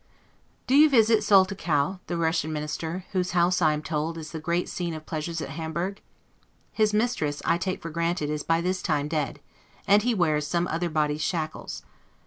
Do you visit Soltikow, the Russian Minister, whose house, I am told, is the great scene of pleasures at Hamburg? His mistress, I take for granted, is by this time dead, and he wears some other body's shackles.